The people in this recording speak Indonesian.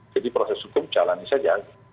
jadi proses hukum jalan saja